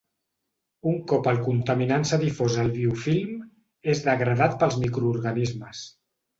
Un cop el contaminant s'ha difós al biofilm, és degradat pels microorganismes.